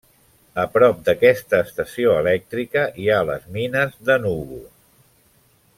A prop d'aquesta estació elèctrica hi ha les mines d'Enugu.